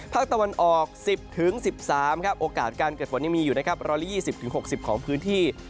ภาคตะวันออก๑๐๑๓องศาเซียตโอกาสการเกิดฝนยังมี๑๒๐๖๐องศาเซียตของพื้นที่